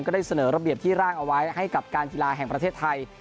ได้เสนอระเบียบที่ร่างเอาไว้ให้กับการกีฬาแห่งประเทศไทย